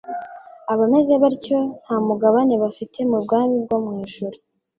Abameze batyo nta mugabane bafite mu bwami bwo mu ijuru,